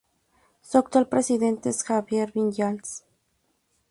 Su actual presidente es Xavier Vinyals.